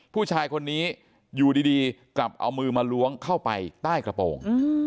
ผู้ชายคนนี้อยู่ดีกลับเอามือมาล้วงเข้าไปใต้กระโปรง